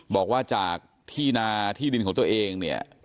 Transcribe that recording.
บอกว่าจากที่นาที่ดินของตัวเองเนี่ย